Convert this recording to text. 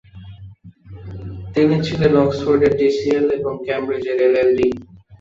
তিনি ছিলেন অক্সফোর্ডের ডিসিএল এবং কেমব্রিজের এলএলডি।